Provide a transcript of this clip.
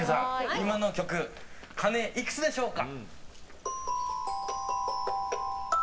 今の曲、鐘いくつでしょうか。